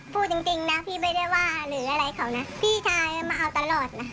พูดจริงนะพี่ไม่ได้ว่าหรืออะไรเขานะพี่ชายมาเอาตลอดนะ